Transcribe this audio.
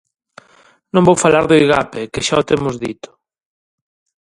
Non vou falar do Igape, que xa o temos dito.